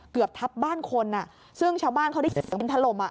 เกือบทับบ้านคนซึ่งชาวบ้านเขาได้กินทะลม